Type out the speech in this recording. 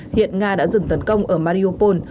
hiện nga đã dừng tấn công ở mariupol